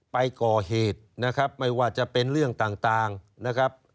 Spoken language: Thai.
ไปก่อเหตุนะครับไม่ว่าจะเป็นเรื่องต่างนะครับ